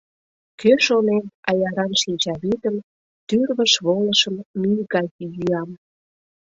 Кӧ шонен, аяран шинчавӱдым, Тӱрвыш волышым, мӱй гай йӱам?